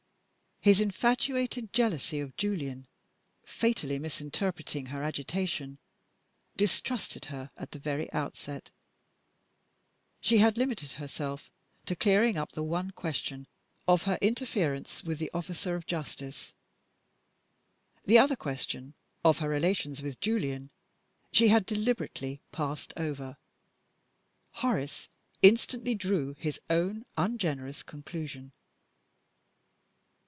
His infatuated jealousy of Julian (fatally misinterpreting her agitation) distrusted her at the very outset. She had limited herself to clearing up the one question of her interference with the officer of justice. The other question of her relations with Julian she had deliberately passed over. Horace instantly drew his own ungenerous conclusion.